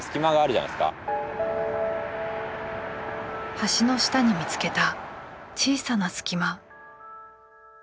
橋の下に見つけた小さなすき間。